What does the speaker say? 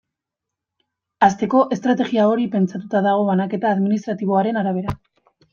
Hasteko, estrategia hori pentsatua dago banaketa administratiboaren arabera.